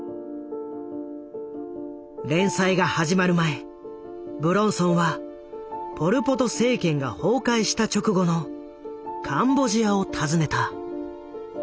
連載が始まる前武論尊はポル・ポト政権が崩壊した直後のカンボジアを訪ねた。